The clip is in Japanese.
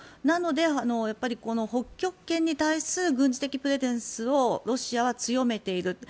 なので北極圏に対する軍事的プレゼンスをロシアは強めている。